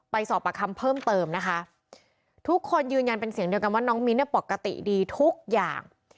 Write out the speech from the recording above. สอบประคำเพิ่มเติมนะคะทุกคนยืนยันเป็นเสียงเดียวกันว่าน้องมิ้นเนี่ยปกติดีทุกอย่าง